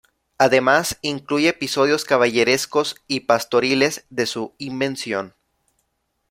Además incluye episodios caballerescos y pastoriles de su invención.